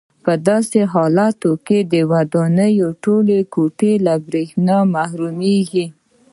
په داسې حالاتو کې د ودانۍ ټولې کوټې له برېښنا محرومېږي.